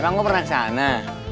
emang gue pernah ke sana